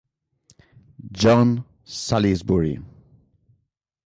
John Salisbury